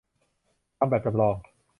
ทำแบบจำลอง